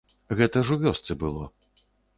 Гэта ж у вёсцы было.